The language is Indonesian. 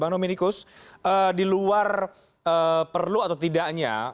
bang nomenikus di luar perlu atau tidaknya